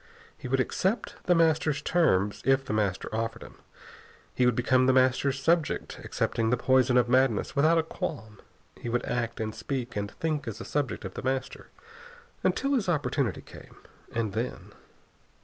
He would accept The Master's terms, if The Master offered them. He would become The Master's subject, accepting the poison of madness without a qualm. He would act and speak and think as a subject of The Master, until his opportunity came. And then....